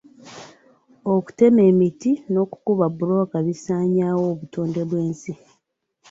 Okutema emiti n'okukuba bbulooka bisaanyaawo obutonde bw'ensi.